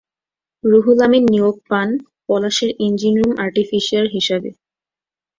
রুহুল আমিন নিয়োগ পান পলাশের ইঞ্জিন রুম আর্টিফিশার হিসেবে।